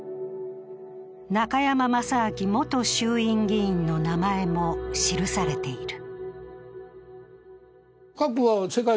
中山正暉元衆院議員の名前も記されている。